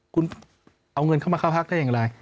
คุณเอาเงินเข้ามาเข้าพักได้อย่างไร